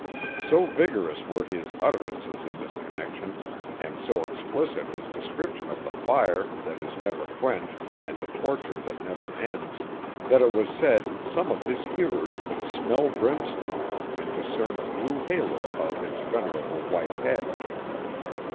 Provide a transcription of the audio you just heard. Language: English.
So vigorous were his utterances in this connection, and so explicit his description of the fire that is never quenched and the torture that never ends, that it was said some of his hearers could smell brimstone and discern a blue halo about his venerable white head.